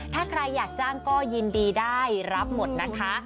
ถ้าใครอยากจ้างก็ยินดีได้รับหมดนะคะ